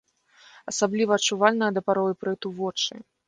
Асабліва адчувальныя да пароў іпрыту вочы.